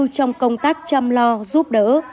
trong công tác chăm lo giúp đỡ